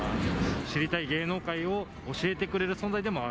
知りたい芸能界を教えてくれる存在でもある？